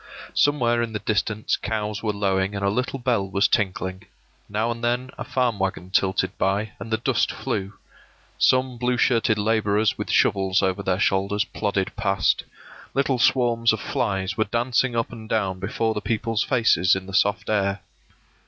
Somewhere in the distance cows were lowing and a little bell was tinkling; now and then a farm wagon tilted by, and the dust flew; some blue shirted laborers with shovels over their shoulders plodded past; little swarms of flies were dancing up and down before the peoples' faces in the soft air.